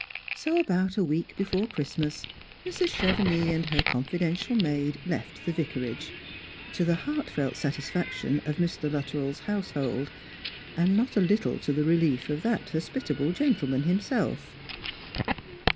So about a 'veek before Christmas Mrs. Chevenix and her coniidential maid lelt the Vicarage, to the heartfelt satisfaction of Mr. Luttrell'a household, and not a little to the relief of that hospitable gentle man himself.